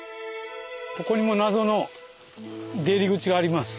ここにも謎の出入り口があります。